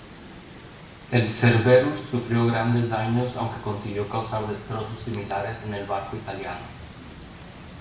El "Cerberus" sufrió grandes daños aunque consiguió causar destrozos similares en el barco italiano.